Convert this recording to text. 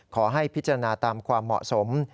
ขอให้พิจารณาตามความเหมาะสม